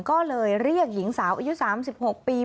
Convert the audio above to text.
ก็เลยเรียกหญิงสาวอายุ๓๖ปี